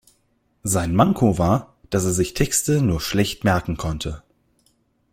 Sein Manko war, dass er sich Texte nur schlecht merken konnte.